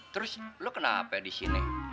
terus lo kenapa di sini